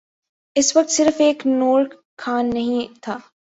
اس وقت صرف ایک نور خان نہیں تھا۔